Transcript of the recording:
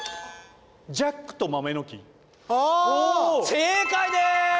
正解です！